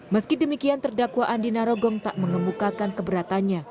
meski demikian terdakwa andi narogong tak mengemukakan keberatannya